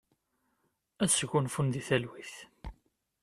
Ad sgunfun di talwit.